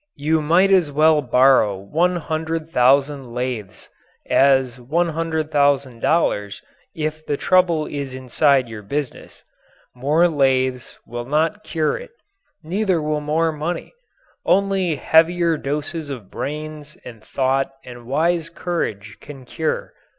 You might as well borrow 100,000 lathes as $100,000 if the trouble is inside your business. More lathes will not cure it; neither will more money. Only heavier doses of brains and thought and wise courage can cure.